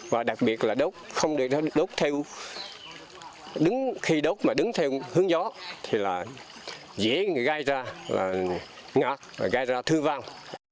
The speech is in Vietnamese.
và đặc biệt là đốt không được đốt theo khi đốt mà đứng theo hướng gió thì là dễ gai ra ngọt và gai ra thương vang